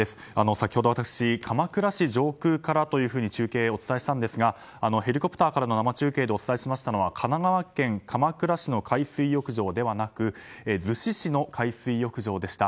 先ほど、私鎌倉市上空からと中継をお伝えしたんですがヘリコプターからの生中継でお伝えしたのは神奈川県鎌倉市の海水浴場ではなく逗子市の海水浴場でした。